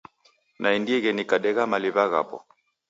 Naendie nikadegha maliw'a ghapo.